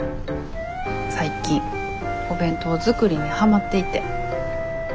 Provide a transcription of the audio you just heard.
最近お弁当作りにハマっていて。